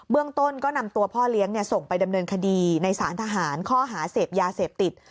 เรื่องต้นก็นำตัวพ่อเลี้ยงส่งไปดำเนินคดีในสารทหารข้อหาเสพยาเสพติด